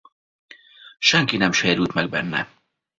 Senki nem sérült meg benne.